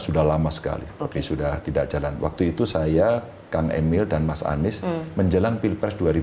sudah lama sekali oke sudah tidak jalan waktu itu saya kang emil dan mas anies menyebutkan kepadanya